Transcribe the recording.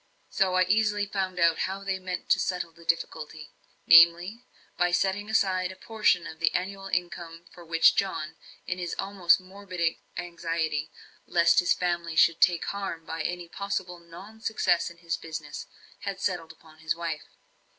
So I easily found out how they meant to settle the difficulty; namely, by setting aside a portion of the annual income which John, in his almost morbid anxiety lest his family should take harm by any possible non success in his business, had settled upon his wife.